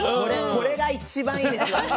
これが一番いいですよね。